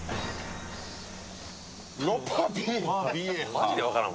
マジで分からん。